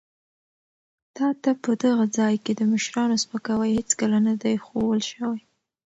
تا ته په دغه ځای کې د مشرانو سپکاوی هېڅکله نه دی ښوول شوی.